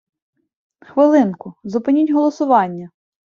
Хвилинку, зупиніть голосування!